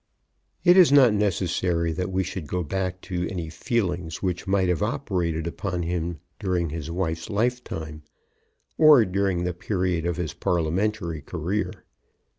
It is not necessary that we should go back to any feelings which might have operated upon him during his wife's lifetime, or during the period of his parliamentary career.